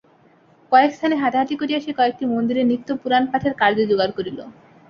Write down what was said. কয়েক স্থানে হাঁটাহাঁটি করিয়া সে কয়েকটি মন্দিরে নিত্য পুরাণ-পাঠের কার্য জোগাড় করিল।